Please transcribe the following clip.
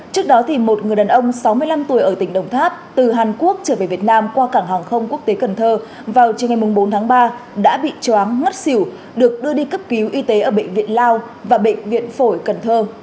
trước đó một người đàn ông sáu mươi năm tuổi ở tỉnh đồng tháp từ hàn quốc trở về việt nam qua cảng hàng không quốc tế cần thơ vào chiều ngày bốn tháng ba đã bị chóng ngất xỉu được đưa đi cấp cứu y tế ở bệnh viện lao và bệnh viện phổi cần thơ